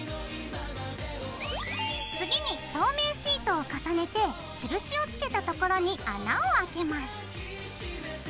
次に透明シートを重ねて印をつけた所に穴をあけます。